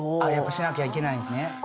しなきゃいけないんですね。